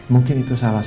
mungkin itu salahnya